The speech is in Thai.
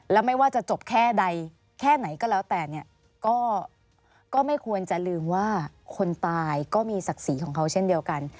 แล้วไม่ว่าจะจบแค่ใดแค่ไหนก็แล้วแต่เนี่ยก็ไม่ควรจะลืมว่าคนตายก็มีศักดิ์ศรีของเขาเช่นเดียวกัน